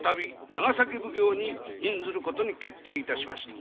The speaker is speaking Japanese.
長崎奉行に任ずる事に決定いたしました。